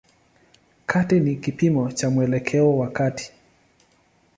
Kati ni kipimo cha mwelekeo wa kati.